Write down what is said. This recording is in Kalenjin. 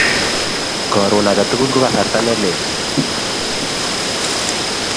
Karon age tugul ko kasarta ne lel